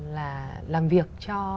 là làm việc cho